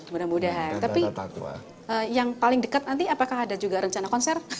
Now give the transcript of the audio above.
mudah mudahan tapi yang paling dekat nanti apakah ada juga rencana konser